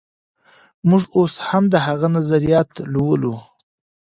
موږ اوس هم د هغه نظريات لولو.